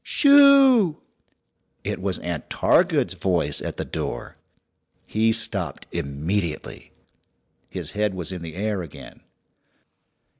"Shoo!" It was Aunt Targood's voice at the door. He stopped immediately. His head was in the air again.